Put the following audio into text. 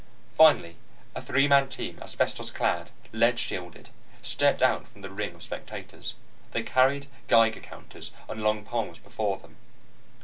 Finally, a three man team, asbestos clad, lead shielded, stepped out from the ring of spectators. They carried geiger counters on long poles before them.